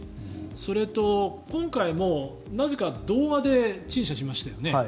それと今回もなぜか動画で陳謝しましたよね。